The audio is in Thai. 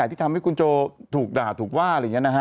ที่ทำให้คุณโจถูกด่าถูกว่า